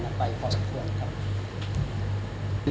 ก็ถือว่าได้ประกาศประคอมนั้นไปพอสมควรครับ